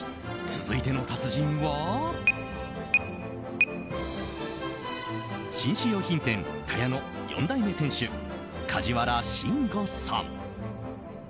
続いての達人は紳士用品店、田屋の４代目店主梶原伸悟さん。